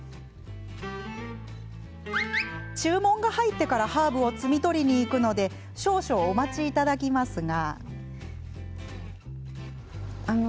注文が入ってからハーブを摘み取りに行くので少々お待ちいただきますが。